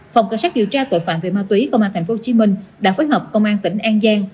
phòng cảnh sát điều tra tội phạm về ma túy công an tp hcm đã phối hợp công an tỉnh an giang